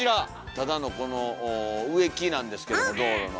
ただのこの植木なんですけど道路の。